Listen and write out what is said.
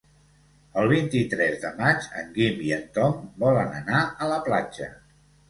El vint-i-tres de maig en Guim i en Tom volen anar a la platja.